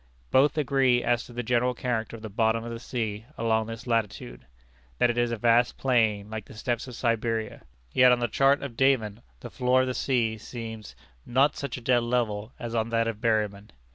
Both agree as to the general character of the bottom of the ocean along this latitude that it is a vast plain, like the steppes of Siberia. Yet on the chart of Dayman the floor of the sea seems not such a dead level as on that of Berryman.